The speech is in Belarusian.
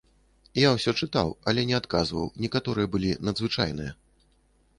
Я ўсё чытаў, але не адказваў, некаторыя былі надзвычайныя.